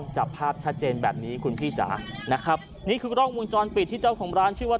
จับภาพชัดเจนแบบนี้คุณพี่จ๋านะครับนี่คือกล้องวงจรปิดที่เจ้าของร้านชื่อว่า